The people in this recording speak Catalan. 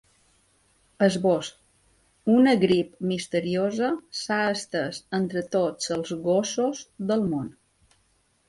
Esbós: Una grip misteriosa s’ha estès entre tots els gossos del món.